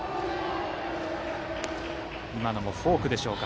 今のもフォークでしょうか。